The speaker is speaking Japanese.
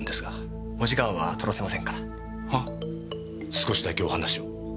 少しだけお話を。